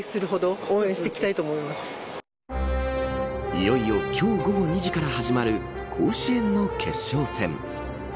いよいよ今日午後２時から始まる甲子園の決勝戦。